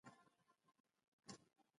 باطل په مابينځ کي یوازي رسوايي ده.